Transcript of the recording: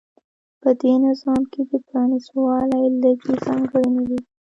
په دې نظام کې د پرانېستوالي لږې ځانګړنې وې.